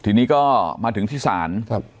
ทีนี้ก็มาถึงที่ศาล